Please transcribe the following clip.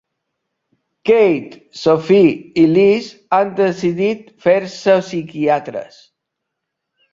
Kate, Sophie i Liz han decidit fer-se psiquiatres.